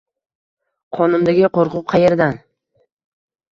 Qonimdagi qoʼrquv qaerdan?